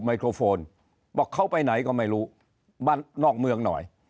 ไมโครโฟนบอกเขาไปไหนก็ไม่รู้บ้านนอกเมืองหน่อย